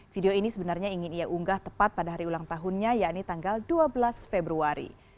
video ini sebenarnya ingin ia unggah tepat pada hari ulang tahunnya yakni tanggal dua belas februari